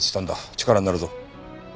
力になるぞ。